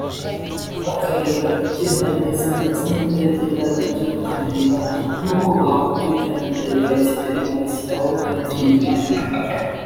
bakareba ibigenda neza ndetse n’ibitagenda nabyo bakabireba nuko bakumvikana na leta ya Kigali bagashyiraho cadre y’ibiganiro